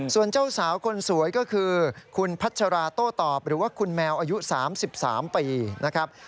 ส่วนเจ้าสาวคนสวยก็คือคุณพัชราโต้ตอบหรือว่าคุณแมวอายุ๓๓ปีนะครับ